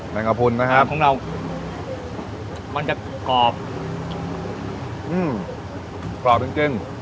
แมงกะพุนนะครับของเรามันจะกรอบอืมกรอบจริงจริง